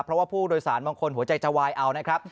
เพราะว่าผู้โดยสารบางคนหัวใจจะวายเอานะครับ